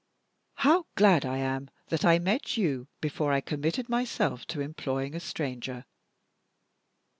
How glad I am that I met you before I had committed myself to employing a stranger!"